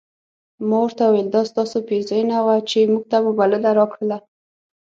ما ورته وویل دا ستاسو پیرزوینه وه چې موږ ته مو بلنه راکړله.